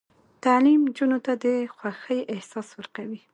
تعلیم نجونو ته د خوښۍ احساس ورکوي.